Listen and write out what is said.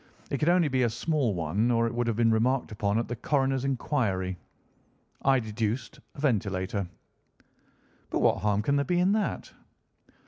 It could only be a small one, or it would have been remarked upon at the coroner's inquiry. I deduced a ventilator." "But what harm can there be in that?"